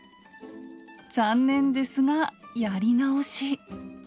残念ですがやり直し。